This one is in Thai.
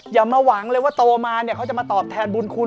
อย่ามาหวังเลยว่าโตมาเนี่ยเขาจะมาตอบแทนบุญคุณ